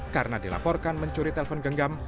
karena dilaporkan mencuri telpon genggam